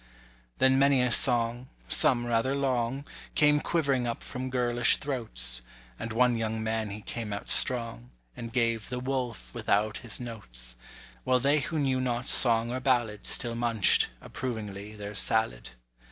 Then many a song, some rather long, Came quivering up from girlish throats; And one young man he came out strong, And gave "The Wolf" without his notes. While they who knew not song or ballad Still munch'd, approvingly, their salad.